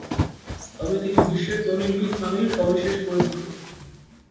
তবে তিনি বিশ্বে টনি লুইস নামেই সবিশেষ পরিচিত।